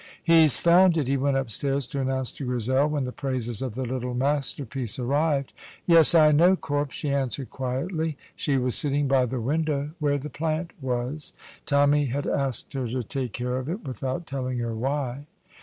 "He's found it," he went upstairs to announce to Grizel, when the praises of the "little masterpiece" arrived. "Yes, I know, Corp," she answered quietly. She was sitting by the window where the plant was. Tommy had asked her to take care of it, without telling her why.